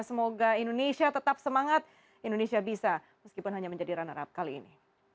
semoga indonesia tetap semangat indonesia bisa meskipun hanya menjadi runner up kali ini